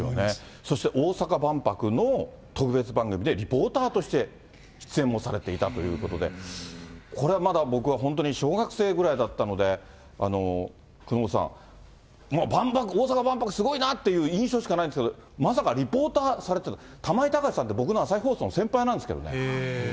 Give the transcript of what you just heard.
そして大阪万博の特別番組でリポーターとして出演もされていたということで、これは、まだ僕は本当に小学生ぐらいだったので、久能さん、もう万博、大阪万博すごいなっていう印象しかないんですけど、まさかリポーターされてた、玉井孝さんって僕の朝日放送の先輩なんですけどね。